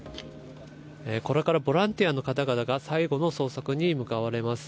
これからボランティアの方々が最後の捜索に向かわれます。